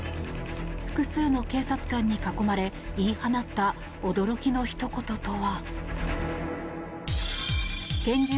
複数の警察官に囲まれ言い放った驚きのひと言とは。